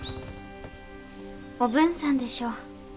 おぶんさんでしょう。